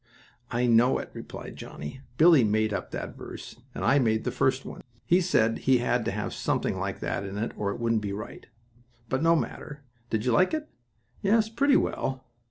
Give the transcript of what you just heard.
"I know it," replied Johnnie. "Billie made up that verse, and I made the first one. He said he had to have something like that in it or it wouldn't be right. But no matter. Did you like it?" "Yes, pretty well."